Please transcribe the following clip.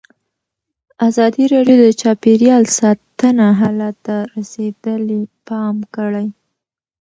ازادي راډیو د چاپیریال ساتنه حالت ته رسېدلي پام کړی.